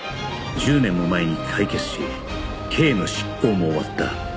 １０年も前に解決し刑の執行も終わった